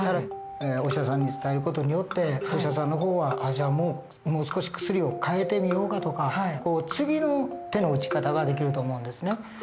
お医者さんに伝える事によってお医者さんの方は「じゃあもう少し薬を変えてみようか」とか次の手の打ち方ができると思うんですね。